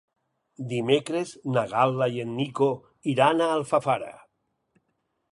Dimecres na Gal·la i en Nico iran a Alfafara.